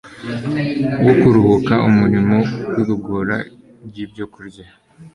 wo kuruhuka umurimo wigogora ryibyokurya